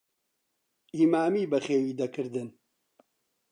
ئیمامی بەخێوی دەکردن.